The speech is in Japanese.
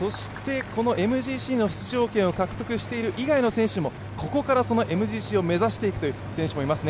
ＭＧＣの出場権を獲得している以外の選手もここからＭＧＣを目指していくという選手もいますね。